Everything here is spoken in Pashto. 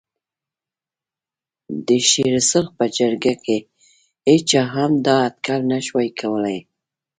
د شېر سرخ په جرګه کې هېچا هم دا اټکل نه شوای کولای.